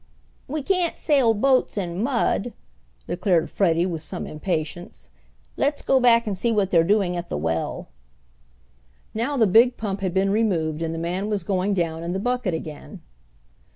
"We can't sail boats in mud," declared Freddie with some impatience. "Let's go back and see what they're doing at the well." Now the big pump had been removed and the man was going down in the bucket again.